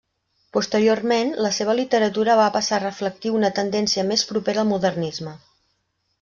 Posteriorment, la seva literatura va passar a reflectir una tendència més propera al modernisme.